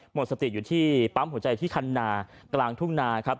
หมดสติอยู่ที่ปั๊มหัวใจที่คันนากลางทุ่งนาครับ